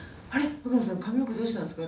秋野さん、髪の毛どうしたんですか？